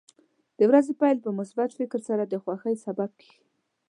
د ورځې پیل په مثبت فکر سره د خوښۍ سبب کېږي.